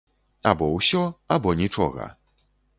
Або ўсё, або нічога.